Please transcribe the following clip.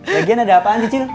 lagian ada apaan cil